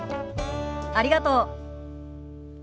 ありがとう。